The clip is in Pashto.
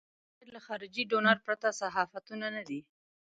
بغیر له خارجي ډونر پرته صحافتونه نه دي.